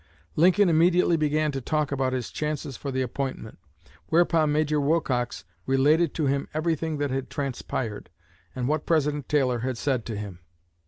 Lincoln immediately began to talk about his chances for the appointment; whereupon Major Wilcox related to him everything that had transpired, and what President Taylor had said to him.